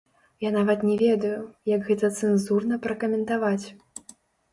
Я нават не ведаю, як гэта цэнзурна пракаментаваць.